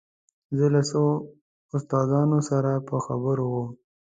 زه له څو استادانو سره په خبرو وم.